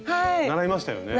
習いましたよね。